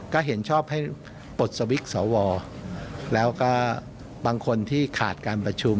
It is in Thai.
ก็เห็นชอบให้ปลดสวิกสวแล้วก็บางคนที่ขาดการประชุม